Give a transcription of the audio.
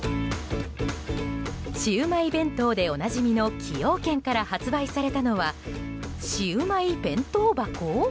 シウマイ弁当でおなじみの崎陽軒から発売されたのはシウマイ弁当箱？